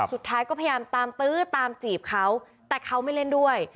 สุดท้ายก็พยายามตามตื้อตามจีบเขาแต่เขาไม่เล่นด้วย